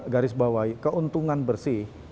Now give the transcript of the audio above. garis bawah keuntungan bersih